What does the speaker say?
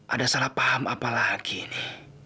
ada salah paham apa lagi ini